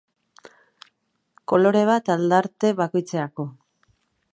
Kolore bat aldarte bakoitzerako.